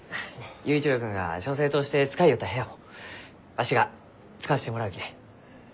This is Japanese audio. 佑一郎君が書生として使いよった部屋をわしが使わせてもらうき。